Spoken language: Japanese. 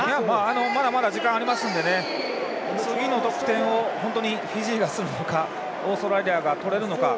まだまだ時間ありますので次の得点を本当にフィジーがするのかオーストラリアが取れるのか。